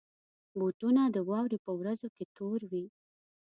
بوټونه د واورې پر ورځو کې تور وي.